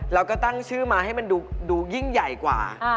แล้วก็ตั้งชื่อมาให้มันดูยิ่งใหญ่กว่า